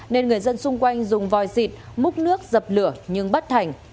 nên người dân xung quanh dùng vòi xịt múc nước dập lửa nhưng bất thành